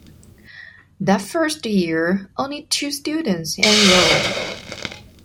That first year only two students enrolled.